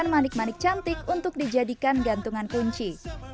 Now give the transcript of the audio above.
manik manik cantik untuk dijadikan gantungan kunci